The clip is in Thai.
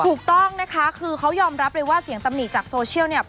ถูกต้องนะคะคือเขายอมรับเลยว่าเสียงตำหนิจากโซเชียลเนี่ย